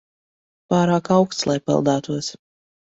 Pārāk auksts, lai peldētos.